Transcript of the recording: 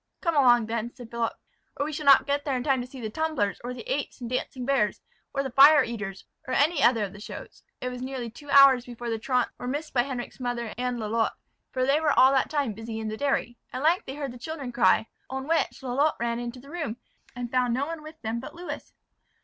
"Come along then," said Philip; "or we shall not get there in time to see the tumblers, or the apes and dancing bears, or the fire eaters, or any other of the shows." It was nearly two hours before the truants were missed by Henric's mother and Lalotte; for they were all that time busy in the dairy. At length they heard the children cry; on which, Lalotte ran into the room, and found no one with them but Lewis.